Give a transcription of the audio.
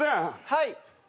はい。